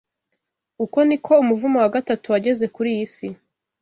Uko ni ko umuvumo wa gatatu wageze kuri iyi si